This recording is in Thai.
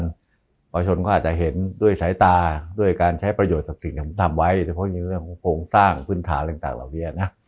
ประชาชนก็อาจจะเห็นด้วยสายตาด้วยการใช้ประโยชน์ศักดิ์สิ่งที่เราทำไว้